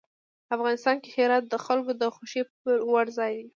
افغانستان کې هرات د خلکو د خوښې وړ ځای دی.